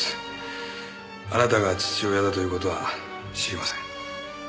あなたが父親だという事は知りません。